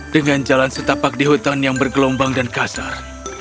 dengan jalan setapak di hutan yang bergelombang dan kasar